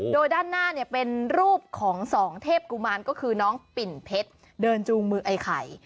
โดยด้านหน้าของสองเทพกุมารก็คือน้องปิ่นเพชรเดินจูงมือไอ้ไข่